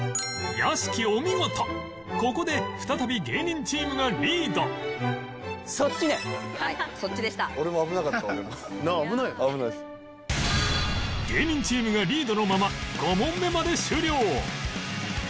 芸人チームがリードのまま５問目まで終了